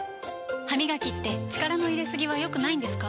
歯みがきって力の入れすぎは良くないんですか？